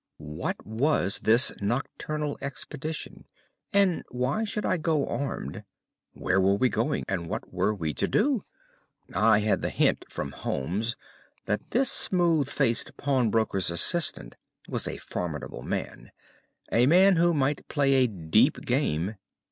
What was this nocturnal expedition, and why should I go armed? Where were we going, and what were we to do? I had the hint from Holmes that this smooth faced pawnbroker's assistant was a formidable man—a man who might play a deep game.